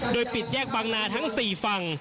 โดยปิดแยกบางนาทั้ง๔ฝั่ง